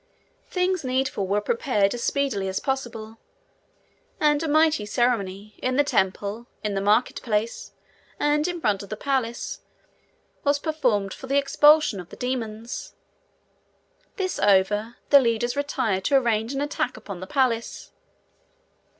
Things needful were prepared as speedily as possible, and a mighty ceremony, in the temple, in the market place, and in front of the palace, was performed for the expulsion of the demons. This over, the leaders retired to arrange an attack upon the palace.